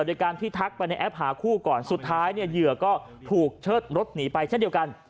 โดยการที่ทักไปในแอปหาคู่ก่อนสุดท้ายเนี่ยเหยื่อก็ถูกเชิดรถหนีไปเช่นเดียวกัน